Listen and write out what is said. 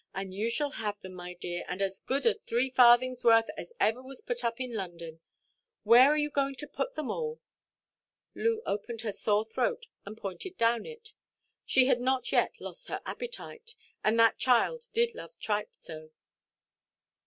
And you shall have them, my dear, and as good a three farthings' worth as ever was put up in London. Where are you going to put them all?" Loo opened her sore throat, and pointed down it. She had not yet lost her appetite; and that child did love tripe so.